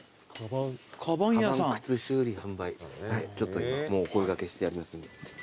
ちょっともうお声掛けしてありますんで。